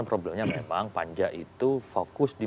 problemnya memang panja itu fokus di